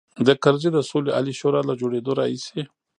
د کرزي د سولې عالي شورا له جوړېدلو راهیسې.